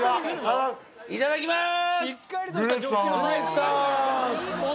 いただきます！